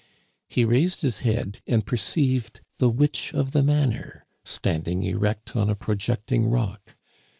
He raised his head and per ceived the witch of the manor standing erect on a pro jecting rock.